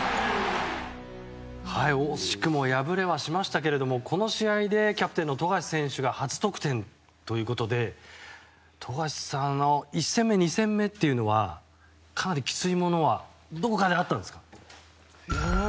惜しくも敗れはしましたけどもこの試合でキャプテンの富樫選手が初得点ということで富樫さん、１戦目、２戦目はかなりきついものはどこかであった？